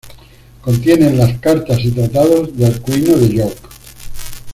Contiene las cartas y tratados de Alcuino de York.